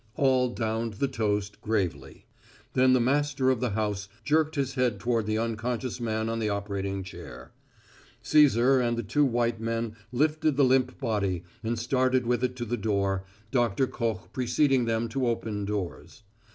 All downed the toast gravely. Then the master of the house jerked his head toward the unconscious man on the operating chair. Cæsar and the two white men lifted the limp body and started with it to the door, Doctor Koch preceding them to open doors.